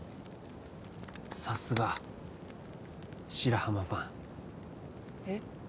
さすが白浜ファンえっ？